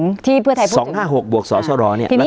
การแสดงความคิดเห็น